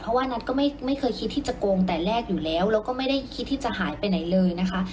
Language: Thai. เพราะว่านัทก็ไม่เคยคิดที่จะโกงแต่แรกอยู่แล้วแล้วก็ไม่ได้คิดที่จะหายไปไหนเลยนะคะ